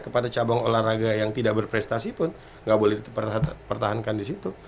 kepada cabang olahraga yang tidak berprestasi pun nggak boleh dipertahankan di situ